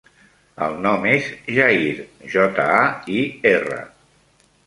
El nom és Jair: jota, a, i, erra.